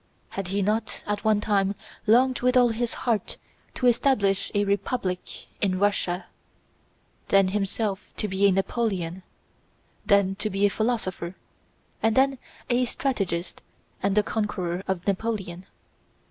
Had he not at one time longed with all his heart to establish a republic in Russia; then himself to be a Napoleon; then to be a philosopher; and then a strategist and the conqueror of Napoleon?